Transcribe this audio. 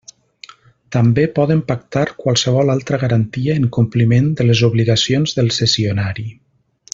També poden pactar qualsevol altra garantia en compliment de les obligacions del cessionari.